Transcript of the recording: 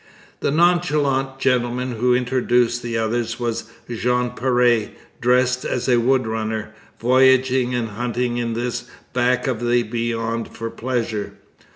The nonchalant gentleman who introduced the others was Jean Péré, dressed as a wood runner, voyaging and hunting in this back of beyond for pleasure.